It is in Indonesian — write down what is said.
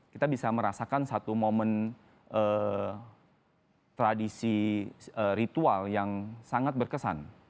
kita bisa merasakan satu momen tradisi ritual yang sangat berkesan